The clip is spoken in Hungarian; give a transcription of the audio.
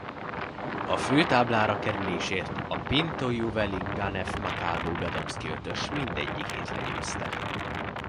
A főtáblára kerülésért a Pinto-Llewellyn-Ganeff-Machado-Gadomski ötös mindegyikét legyőzte.